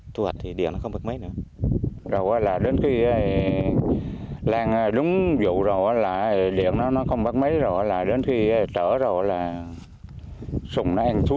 trong bà thẳng